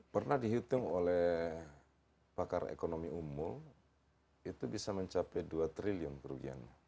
pernah dihitung oleh pakar ekonomi umum itu bisa mencapai dua triliun kerugiannya